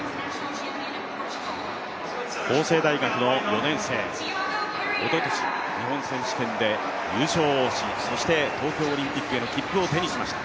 法政大学の４年生、おととし日本選手権で優勝をしそして、東京オリンピックへの切符を手にしました。